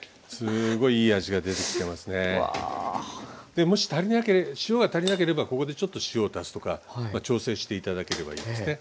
でもし塩が足りなければここでちょっと塩を足すとか調整して頂ければいいですね。